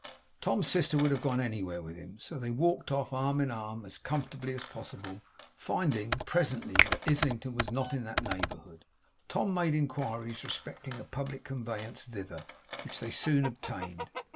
Tom's sister would have gone anywhere with him; so they walked off, arm in arm, as comfortably as possible. Finding, presently, that Islington was not in that neighbourhood, Tom made inquiries respecting a public conveyance thither; which they soon obtained.